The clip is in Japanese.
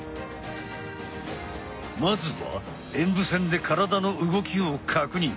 まずは演武線で体の動きを確認。